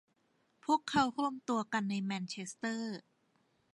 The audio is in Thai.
พวกเขารวมตัวกันในแมนเชสเตอร์